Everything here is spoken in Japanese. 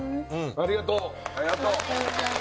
ありがとう。